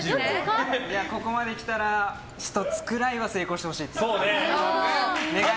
ここまで来たら１つくらいは成功してほしい。